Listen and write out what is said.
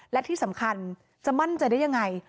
และที่สำคัญจะมั่นใจได้ยังไง